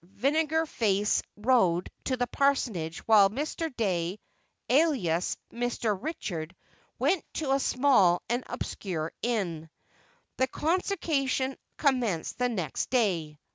Vinegarface rode to the parsonage while Mr. Dey, alias "Mr. Richard," went to a small and obscure inn. The Consociation commenced the next day.